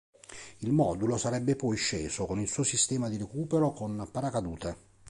Il modulo sarebbe poi sceso con il suo sistema di recupero con paracadute.